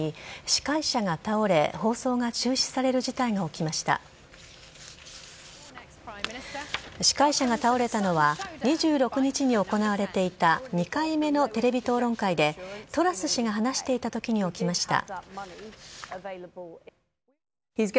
司会者が倒れたのは２６日に行われていた２回目のテレビ討論会でトラス氏が話していたときに起きました。